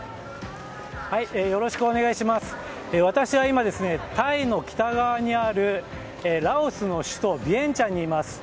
私は今タイの北側にあるラオスの首都ビエンチャンにいます。